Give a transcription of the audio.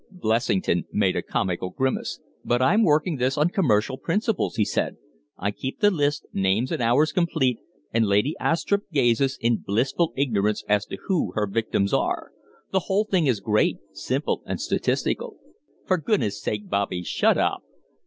Blessington made a comical grimace. "But I'm working this on commercial principles," he said. "I keep the list, names and hours complete, and Lady Astrupp gazes, in blissful ignorance as to who her victims are. The whole thing is great simple and statistical." "For goodness' sake, Bobby, shut up!"